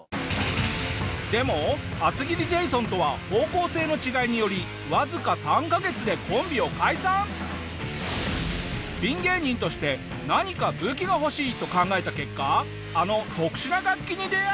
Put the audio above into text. でも厚切りジェイソンとは方向性の違いによりわずかピン芸人として何か武器が欲しいと考えた結果あの特殊な楽器に出会う。